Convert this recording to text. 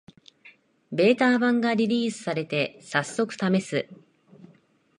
ベータ版がリリースされて、さっそくためす